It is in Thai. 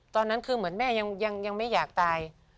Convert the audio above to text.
ตอนนั้นคือเหมือนแม่ยังไม่อยากตาย